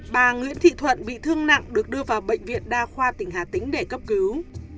bà nguyễn thị thuận bị thương nặng được đưa vào bệnh viện đa khoa tỉnh hà tĩnh để cấp cứu